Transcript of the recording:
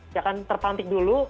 ya kan terpantik dulu